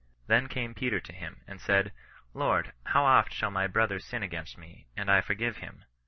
Then came Peter to him, and said, Lord, how oft shall my brother sin against me, and I forgive him